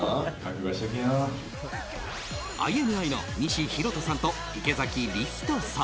ＩＮＩの西洸人さんと池崎理人さん。